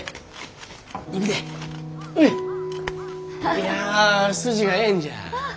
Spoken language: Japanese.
いや筋がええんじゃ。